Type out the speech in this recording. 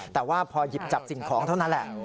แต่ว่าพอหยิบจับสิ่งของเท่านั้นแหละ